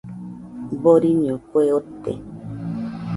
Doriño kue ote.